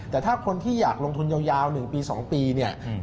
แต่ถ้าคนที่อยากลงทุนยาว๑ปี๒ปีเนี่ย